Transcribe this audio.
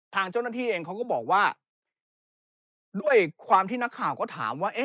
ทางเจ้าหน้าที่เองเขาก็บอกว่าด้วยความที่นักข่าวก็ถามว่า